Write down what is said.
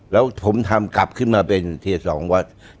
แล้วผมทำกลับขึ้นมาเป็นที๒วอสติธร์